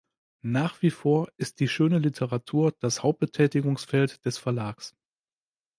Nach wie vor ist die schöne Literatur das Hauptbetätigungsfeld des Verlags.